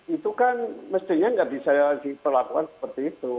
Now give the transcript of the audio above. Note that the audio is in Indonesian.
itu kan mestinya tidak bisa dilakukan seperti itu